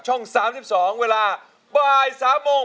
ช่อง๓๒เวลา๓โมง